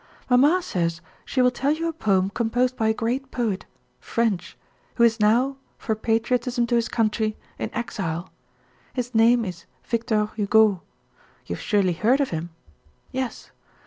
"Mamma says she will tell you a poem composed by a great poet, French, who is now, for patriotism to his country, in exile. His name is Victor Hugo. You have surely heard of him? Yes.